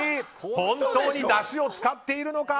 本当にだしを使っているのか！